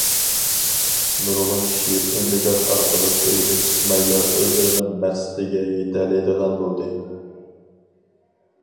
نۇرغۇن كىشى ئۈندىدار ئارقىلىق ئۆيىدىن چىقمايلا ئۆزلىرىنىڭ مەقسىتىگە يېتەلەيدىغان بولدى.